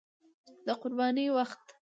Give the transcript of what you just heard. د قربانۍ وخت